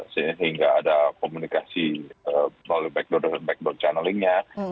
sehingga ada komunikasi melalui backdow channelingnya